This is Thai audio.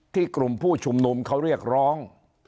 กลุ่มผู้ชุมนุมเขาเรียกร้อง